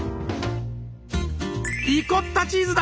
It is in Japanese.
リコッタチーズだ！